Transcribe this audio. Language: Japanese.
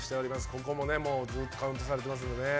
ここもずっとカウントされてますのでね。